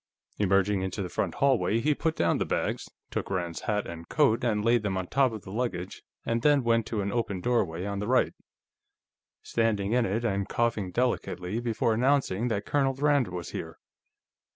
Emerging into the front hallway, he put down the bags, took Rand's hat and coat and laid them on top of the luggage, and then went to an open doorway on the right, standing in it and coughing delicately, before announcing that Colonel Rand was here.